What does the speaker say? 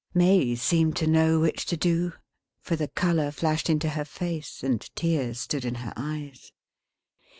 May seemed to know which to do; for the color flashed into her face, and tears stood in her eyes.